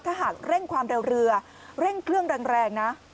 ถ้าหากเร่งความเร็วเรือเร่งเครื่องแรงนะ